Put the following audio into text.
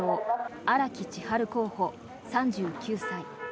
荒木千陽候補、３９歳。